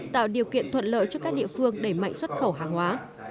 tạo điều kiện thuận lợi cho các địa phương đẩy mạnh xuất khẩu hàng hóa